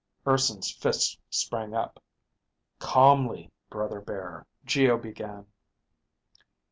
Urson's fists sprang up. "Calmly, brother bear," Geo began.